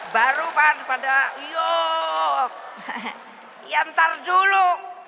baru kan pada yuk yantar dulu